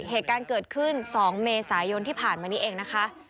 เหตุการณ์เกิดขึ้น๒เมษายนที่ผ่านมานี้เองนะคะ